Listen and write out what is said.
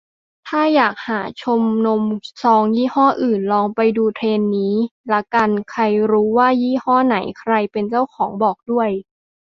ถ้าอยากหาชมนมซองยี่ห้ออื่น ลองไปดูเทรดนี้ละกัน ใครรู้ว่ายี่ห้อไหนใครเป็นเจ้าของบอกด้วย